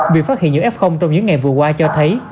việc phát hiện những f trong những ngày vừa qua cho thấy